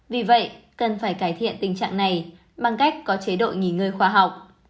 vì vậy cần phải cải thiện tình trạng này bằng cách có chế độ nghỉ ngơi khoa học